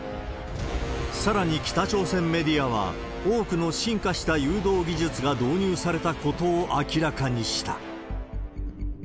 さらに北朝鮮メディアは、多くの進化した誘導技術が導入されたことを明らかにした。